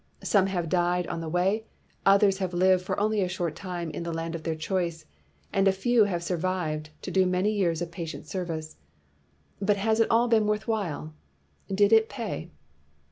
Some have died on the way ; others have lived for only a short time in the land of their choice; and a few have survived to do many years of patient serv ice. But lias it all been worth while *? Did it pay?